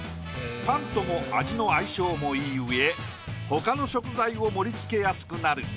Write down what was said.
パンとも味の相性も良いうえ他の食材を盛りつけやすくなる。